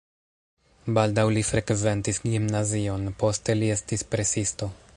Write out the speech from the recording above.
Baldaŭ li frekventis gimnazion, poste li estis presisto.